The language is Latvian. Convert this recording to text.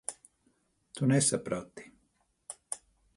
Tu nesaprati.